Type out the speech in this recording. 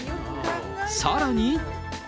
さらに。